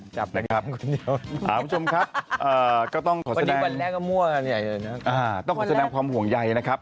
จับแหละครับคุณผู้ชมครับก็ต้องขอแสดงต้องขอแสดงความห่วงใยนะครับ